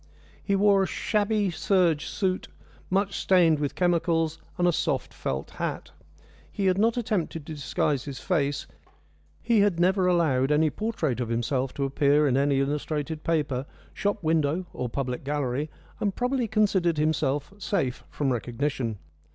He wore a shabby serge suit, much stained with chemicals, and a soft felt hat. He had not attempted to disguise his face; he had never allowed any portrait of himself to appear in any illustrated paper, shop window, or public gallery, and probably considered himself safe from recognition.